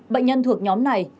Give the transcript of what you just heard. bệnh nhân thuộc nhóm này